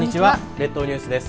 列島ニュースです。